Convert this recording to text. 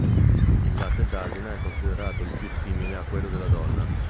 Il latte d'asina è considerato il più simile a quello della donna.